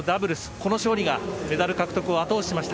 この勝利がメダル獲得を後押ししました。